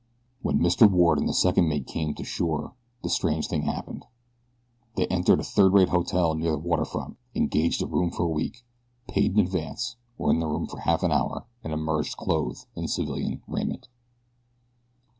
When Mr. Ward and the second mate came to shore a strange thing happened. They entered a third rate hotel near the water front, engaged a room for a week, paid in advance, were in their room for half an hour and emerged clothed in civilian raiment.